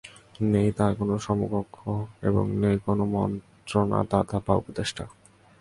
নেই তাঁর কোন সমকক্ষ এবং নেই কোন মন্ত্রণাদাতা বা উপদেষ্টা।